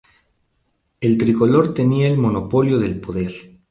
El tricolor tenía el monopolio del poder.